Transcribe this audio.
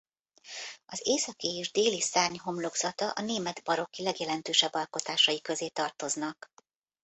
Az északi és déli szárny homlokzata a német barokk legjelentősebb alkotásai közé tartoznak.